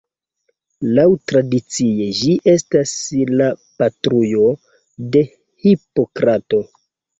Laŭtradicie ĝi estas la patrujo de Hipokrato.